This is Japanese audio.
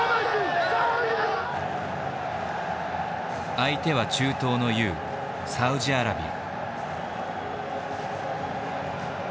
相手は中東の雄サウジアラビア。